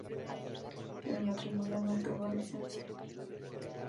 El matrimonio no tuvo descendencia.